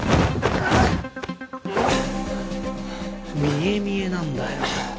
見え見えなんだよ。